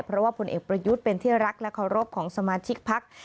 เพราะว่าผลเอกประยุทธ์เป็นที่รักและเคารพของสมาชิกพัก